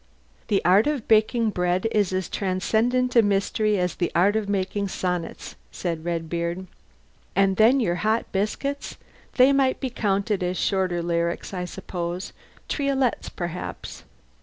"The art of baking bread is as transcendent a mystery as the art of making sonnets," said Redbeard. "And then your hot biscuits they might be counted as shorter lyrics, I suppose triolets perhaps.